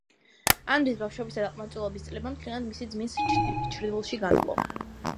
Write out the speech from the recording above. ანრის ბავშვობისა და ყმაწვილობის წლებმა მთლიანად მისი ძმის ჩრდილში განვლო.